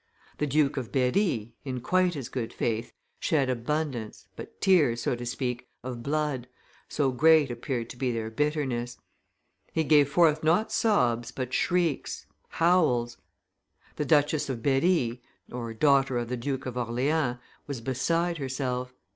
The Duke of Berry, in quite as good faith, shed abundance, but tears, so to speak, of blood, so great appeared to be their bitterness; he gave forth not sobs, but shrieks, howls. The Duchess of Berry (daughter of the Duke of Orleans) was beside herself.